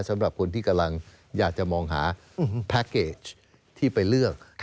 สำหรับคนที่กำลังอยากจะมองหาแพ็คเกจที่ไปเลือก